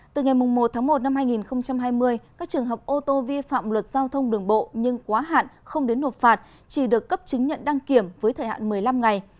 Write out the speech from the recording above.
từ ngày một tháng một năm hai nghìn hai mươi các trường hợp ô tô vi phạm luật giao thông đường bộ nhưng quá hạn không đến nộp phạt chỉ được cấp chứng nhận đăng kiểm với thời hạn một mươi năm ngày